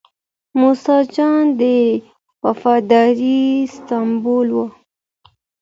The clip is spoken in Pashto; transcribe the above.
موسی جان د وفادارۍ سمبول و.